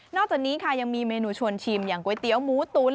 จากนี้ค่ะยังมีเมนูชวนชิมอย่างก๋วยเตี๋ยวหมูตุ๋น